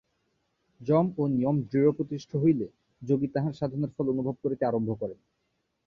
যম ও নিয়ম দৃঢ়প্রতিষ্ঠ হইলে যোগী তাঁহার সাধনের ফল অনুভব করিতে আরম্ভ করেন।